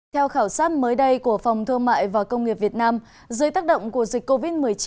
theo khảo sát mới đây của phòng thương mại và công nghiệp việt nam dưới tác động của dịch covid một mươi chín